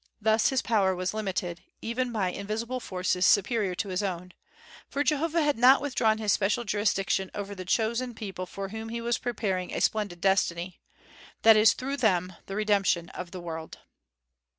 Thus was his power limited, even by invisible forces superior to his own; for Jehovah had not withdrawn his special jurisdiction over the chosen people for whom he was preparing a splendid destiny, that is, through them, the redemption of the world.